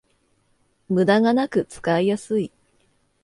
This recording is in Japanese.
ムダがなく使いやすい